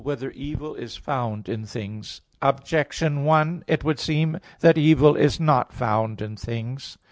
2] Whether Evil Is Found in Things? Objection 1: It would seem that evil is not found in things.